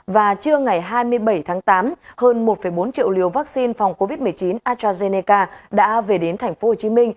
và trưa ngày hai mươi bảy tháng tám hơn một bốn triệu liều vaccine phòng covid một mươi chín astrazeneca đã về đến tp hcm